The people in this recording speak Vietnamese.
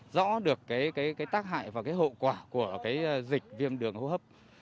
rõ được cái tác hại và cái hậu quả của dịch viêm đường hô hấp